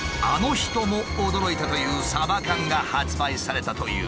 人も驚いたというサバ缶が発売されたという。